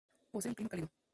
Posee un clima cálido.